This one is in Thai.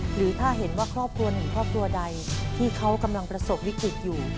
หรือถ้าเห็นว่าครอบครัวหนึ่งครอบครัวใดที่เขากำลังประสบวิกฤตอยู่